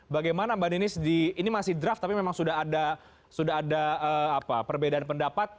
bagaimana mbak ninis ini masih draft tapi memang sudah ada perbedaan pendapat